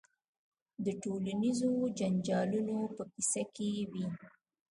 د ټولنیزو جنجالونو په کیسه کې وي.